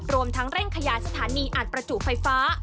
รวมทั้งเร่งขยายสถานีอัดประจุไฟฟ้า